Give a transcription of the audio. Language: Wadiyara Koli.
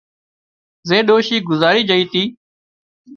زي ڏوشي گذارِي جھئي تِي